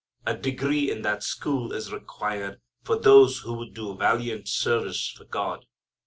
A degree in that school is required for those who would do valiant service for God.